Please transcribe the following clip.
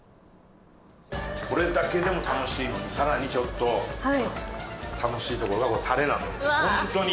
これだけでも楽しいのにさらにちょっと楽しいところがタレなんだけどホントに。